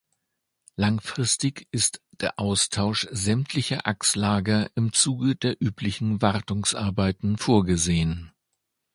Langfristig ist der Austausch sämtlicher Achslager im Zuge der üblichen Wartungsarbeiten vorgesehen.